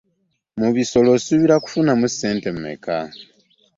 Mu bisolo osuubira kufunamu ssente mmeka?